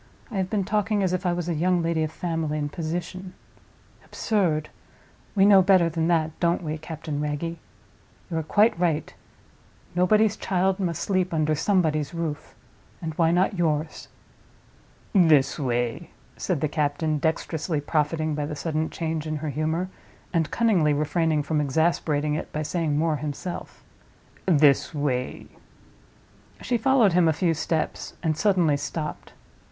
I have been talking as if I was a young lady of family and position. Absurd! We know better than that, don't we, Captain Wragge? You are quite right. Nobody's child must sleep under Somebody's roof—and why not yours?" "This way," said the captain, dexterously profiting by the sudden change in her humor, and cunningly refraining from exasperating it by saying more himself. "This way." She followed him a few steps, and suddenly stopped.